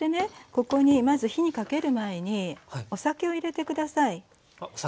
ここにまず火にかける前にお酒を入れて下さい。